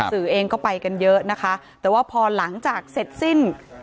สื่อเองก็ไปกันเยอะนะคะแต่ว่าพอหลังจากเสร็จสิ้น